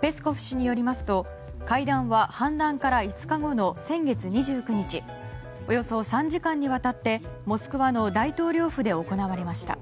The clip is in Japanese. ペスコフ氏によりますと会談は、反乱から５日後の先月２９日およそ３時間にわたってモスクワの大統領府で行われました。